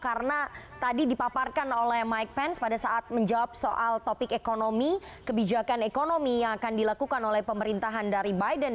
karena tadi dipaparkan oleh mike pence pada saat menjawab soal topik ekonomi kebijakan ekonomi yang akan dilakukan oleh pemerintahan dari biden